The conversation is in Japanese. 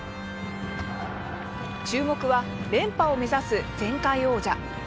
注目は連覇を目指す前回王者。